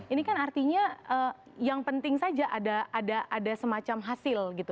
ini kan artinya yang penting saja ada semacam hasil gitu